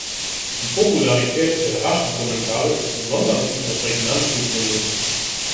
Die Popularität der Raschi-Kommentare ist besonders in ihrer Prägnanz begründet.